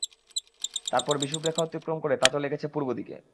তারপর বিষুবরেখা অতিক্রম করে তা চলে গেছে পূর্ব দিকে।